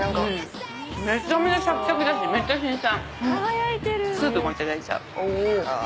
めちゃめちゃシャキシャキだしめっちゃ新鮮。